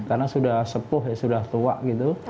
karena sudah sepuh ya sudah tua gitu